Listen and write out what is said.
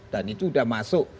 dan itu sudah masuk